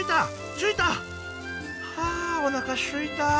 ついた！はあおなかすいた。